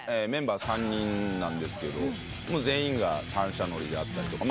メンバー３人なんですけど全員が単車乗りであったり。